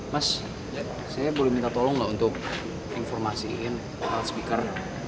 mas saya boleh minta tolong gak untuk informasiin speaker